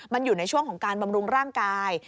มันอยู่ในช่วงของการบำรุงร่างกาย